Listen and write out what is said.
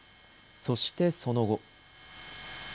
そしてその後。